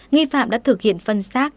nghi phạm đã thực hiện phân xác